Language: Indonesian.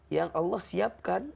yang allah siapkan